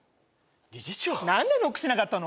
理事長なんでノックしなかったの？